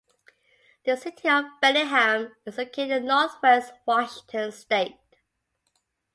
The City of Bellingham is located in Northwest Washington State.